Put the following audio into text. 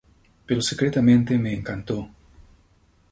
Pero secretamente me encantó.